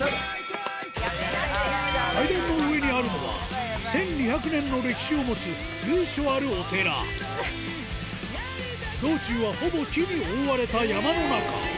階段の上にあるのは１２００年の歴史を持つ由緒あるお寺道中はほぼ木に覆われた山の中